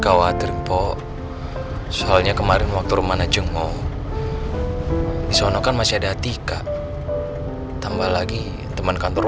khawatir po soalnya kemarin waktu rumana jenguk disana kan masih ada tika tambah lagi teman kantor